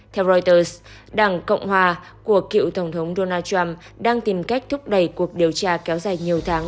theo reuters đảng cộng hòa của cựu tổng thống donald trump đang tìm cách thúc đẩy cuộc điều tra kéo dài nhiều tháng